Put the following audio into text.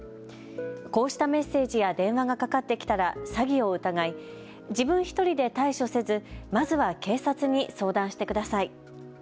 こうしたメッセージや電話がかかってきたら詐欺を疑い自分１人で対処せずまずは警察に相談してください。